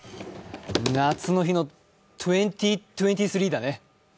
夏の日の２０２３だね。